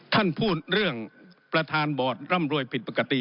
ท่านพูดเรื่องประธานบอร์ดร่ำรวยผิดปกติ